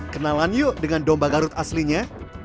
kenalan yuk dengan domba garut aslinya